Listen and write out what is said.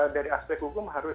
dari aspek hukum harus